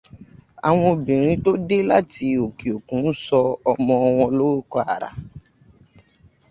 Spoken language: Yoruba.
Àwọn obìnrin tó dé láti òke òkun n sọ ọmọ wọn lorúkọ àrà.